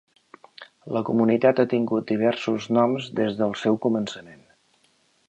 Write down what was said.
La comunitat ha tingut diversos noms des del seu començament.